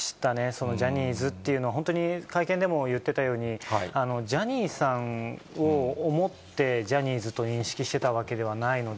そのジャニーズっていうのは、本当に会見でも言ってたように、ジャニーさんを思って、ジャニーズと認識してたわけではないので。